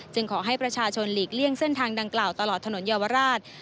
ขอให้ประชาชนหลีกเลี่ยงเส้นทางดังกล่าวตลอดถนนเยาวราช